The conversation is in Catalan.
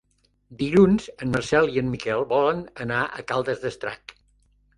Dilluns en Marcel i en Miquel volen anar a Caldes d'Estrac.